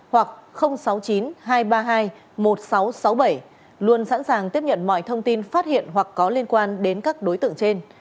sáu mươi chín hai trăm ba mươi bốn năm nghìn tám trăm sáu mươi hoặc sáu mươi chín hai trăm ba mươi hai một nghìn sáu trăm sáu mươi bảy luôn sẵn sàng tiếp nhận mọi thông tin phát hiện hoặc có liên quan đến các đối tượng trên